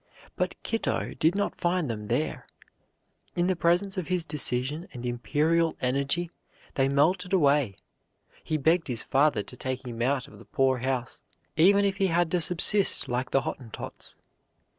But Kitto did not find them there. In the presence of his decision and imperial energy they melted away. He begged his father to take him out of the poorhouse, even if he had to subsist like the Hottentots.